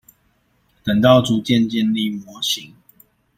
等到逐漸建立模型